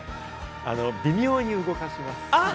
微妙に動かします。